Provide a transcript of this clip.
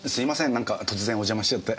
なんか突然お邪魔しちゃって。